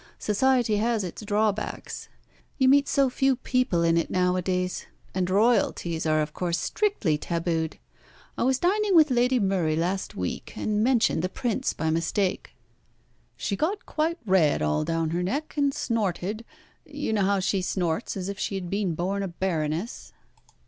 Society has its drawbacks. You meet so few people in it nowadays, and Royalties are of course strictly tabooed. I was dining with Lady Murray last week and mentioned the Prince by mistake. She got quite red all down her neck and snorted you know how she snorts, as if she had been born a Baroness!